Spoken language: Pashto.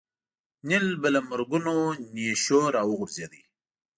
نیل به له مرګونو نېشو راوغورځېد.